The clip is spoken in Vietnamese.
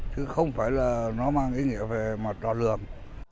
chứ không phải là nó mang ý nghĩa về mặt đo lường